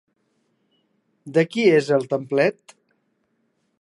De qui és el templet?